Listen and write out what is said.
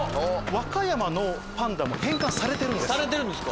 和歌山のパンダも返還されてるんです。